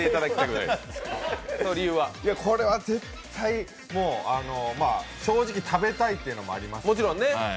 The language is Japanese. これは絶対、正直食べたいというのもあります。